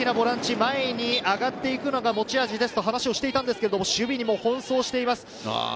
前に上がっていくのが持ち味ですと話をしていたんですが、守備にも奔走しています。